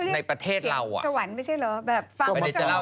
แล้วก็ครั้งนี้เขาเรียกเจ็บสวรรค์ไม่ใช่เหรอ